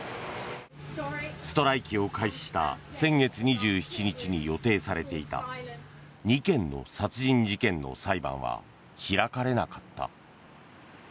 ストライキを開始した先月２７日に予定されていた２件の殺人事件の裁判は開かれなかった。